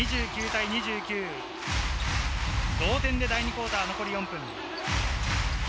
２９対２９、同点で第２クオーター、残り４分。